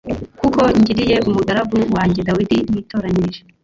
kuko ngiriye umugaragu wanjye Dawidi nitoranyirije